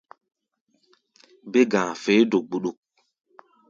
Bé-ga̧a̧ feé do gbuɗuk.